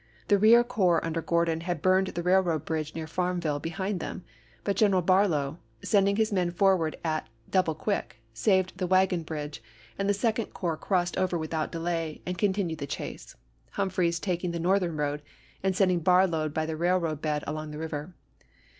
The rear corps under Gordon had burned the rail road bridge near Farmville behind them; but General Barlow, sending his men forward at api.7, isgs. double quick, saved the wagon bridge, and the Second Corps crossed over without delay and con tinued the chase, Humphreys taking the northern road, and sending Barlow by the railroad bed along the river.